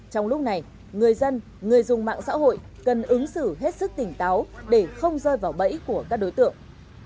trong lúc này người dân người dùng mạng xã hội cần ứng xử hết sức tỉnh táo để không rơi vào bẫy của các đối tượng